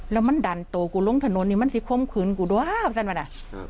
แล้วมันดันตัวกูลงถนนนี่มันสิข้มขึ้นกูดว้าบสันป่ะน่ะ